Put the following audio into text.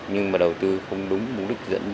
nhưng mà đầu tư không đúng mục đích